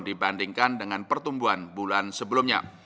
dibandingkan dengan pertumbuhan bulan sebelumnya